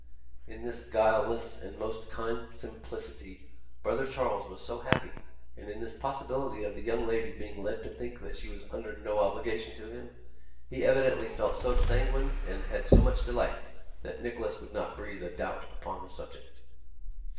In this guileless and most kind simplicity, brother Charles was so happy, and in this possibility of the young lady being led to think that she was under no obligation to him, he evidently felt so sanguine and had so much delight, that Nicholas would not breathe a doubt upon the subject.